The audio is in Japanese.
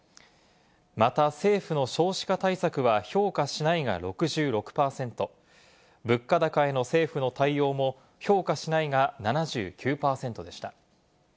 また政府の少子化対策は評価しないが６６％、物価高への政府の対応も評価しないが７９％でした。